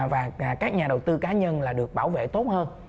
và các nhà đầu tư cá nhân là được bảo vệ tốt hơn